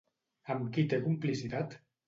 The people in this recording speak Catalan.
Amb qui té complicitat?